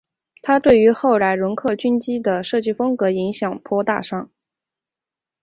它对于后来容克军机的设计风格影响颇大上。